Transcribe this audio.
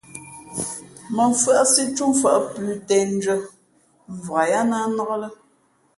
Mά mfʉ́άʼsí túmfα̌ʼ plǔ těʼndʉ́ά mvak yáá ná nnák lά.